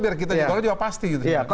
biar kita juga pasti